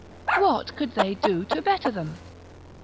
What could they do to better them?